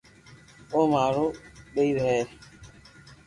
او مارو ٻئير ھي